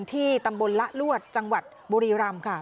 ที่ตำบลละลวดจังหวัดบุรีรำค่ะ